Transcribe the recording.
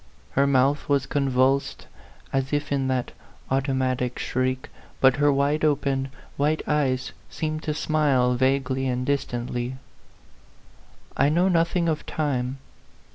Her mouth was convulsed, as if in that auto matic shriek, but her wide open, white eyes seemed to smile vaguely and distantly. I know nothing of time.